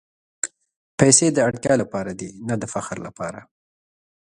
پېسې د اړتیا لپاره دي، نه د فخر لپاره.